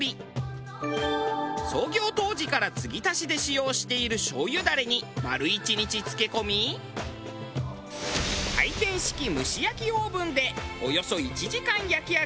創業当時から継ぎ足しで使用している醤油ダレに丸一日漬け込み回転式蒸し焼きオーブンでおよそ１時間焼き上げれば完成。